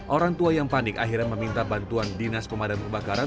orang tua yang panik akhirnya meminta bantuan dinas pemadam kebakaran